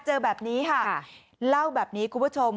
เจอแบบนี้ค่ะเล่าแบบนี้คุณผู้ชม